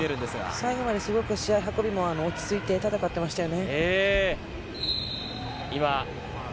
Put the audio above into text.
最後まで試合運びも落ち着いて戦っていましたよね。